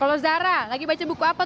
kalau zara lagi baca buku apa